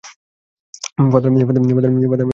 Father Mathew এর স্ত্রী আর কণ্যার সাথে।